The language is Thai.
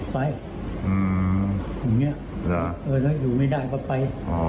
ไปอย่างเนี้ยเออแล้วอยู่ไม่ได้ก็ไปอ๋อ